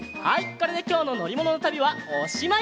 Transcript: これできょうののりもののたびはおしまい。